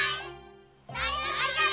はい！